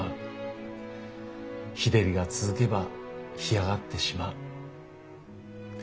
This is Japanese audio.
日照りが続けば干上がってしまう。